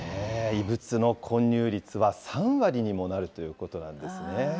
異物の混入率は３割にもなるということなんですね。